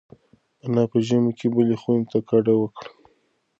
انا په ژمي کې بلې خونې ته کډه وکړه.